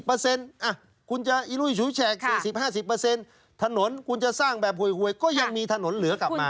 อ่ะคุณจะกินจน๔๐๕๐ถนนกูจะสร้างแบบหวยก็ยังมีถนนเหลือกลับมา